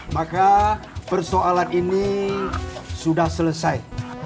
maka persoalan ini sudah selesai